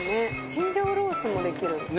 チンジャオロースもできる。